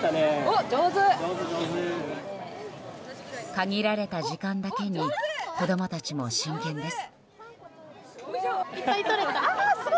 限られた時間だけに子供たちも真剣です。